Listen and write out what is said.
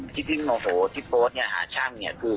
ทิศนี่หัวที่โพสต์หาช่าง